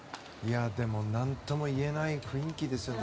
でも、何とも言えない雰囲気ですよ。